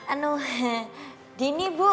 aduh dini bu